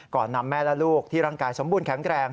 ก่อนนำแม่และลูกที่ร่างกายสมบูรณแข็งแรง